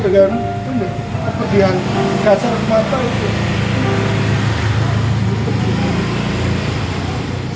enggak kuat dengan kebijakan kasar mata itu